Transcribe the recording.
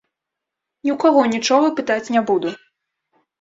Ні ў каго нічога пытаць не буду.